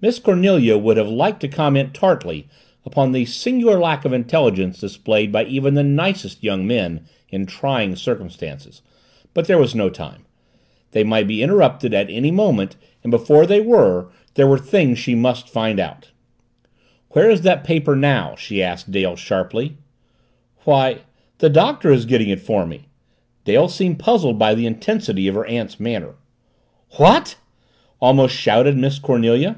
Miss Cornelia would have liked to comment tartly upon the singular lack of intelligence displayed by even the nicest young men in trying circumstances. But there was no time. They might be interrupted at any moment and before they were, there were things she must find out. "Where is that paper, now?" she asked Dale sharply; "Why the Doctor is getting it for me." Dale seemed puzzled by the intensity of her aunt's manner. "What?" almost shouted Miss Cornelia.